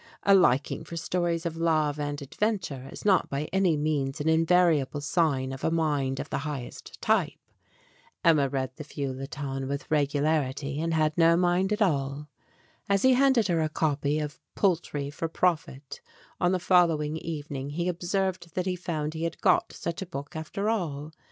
A liking for stories of love and adventure is not by any means an invariable sign of a mind of the highest type. Emma read the feuilleton with regularity, and had no mind at all. As he handed her a copy of "Poultry for Profit" on the following evening, he observed that he found he had got such a book, after all.